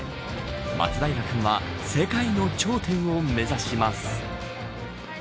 マツダイラ君は世界の頂点を目指します。